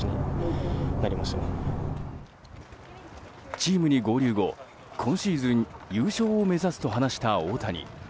チームに合流後、今シーズン優勝を目指すと話した大谷。